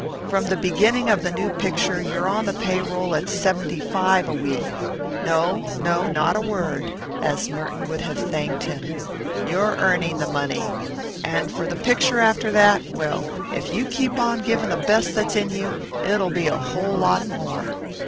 From the beginning of the new picture you're on the payroll at seventy five a week. No, no, not a word " as Merton would have thanked him. "You're earning the money. And for the picture after that well, if you keep on giving the best that's in you, it will be a whole lot more.